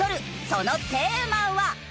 そのテーマは。